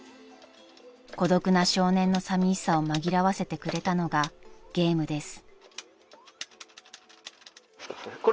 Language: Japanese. ［孤独な少年のさみしさを紛らわせてくれたのがゲームです］